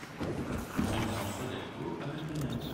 Rue François Delcos à Perpignan